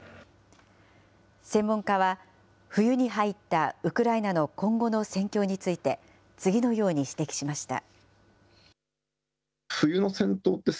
専門家は、冬に入ったウクライナの今後の戦況について、次のように指摘しました。